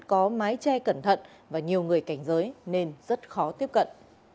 có mái che cẩn thận và nhiều người cảnh giới nên rất khó tiếp cận